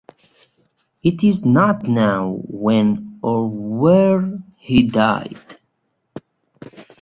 It is not know when or where he died.